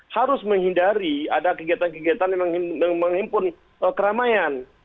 harus menghindari ada kegiatan kegiatan yang menghimpun keramaian